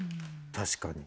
確かに。